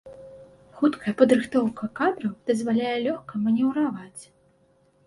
Хуткая падрыхтоўка кадраў дазваляе лёгка манеўраваць.